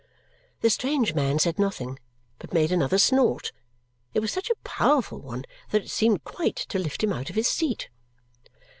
The strange man said nothing but made another snort. It was such a powerful one that it seemed quite to lift him out of his seat.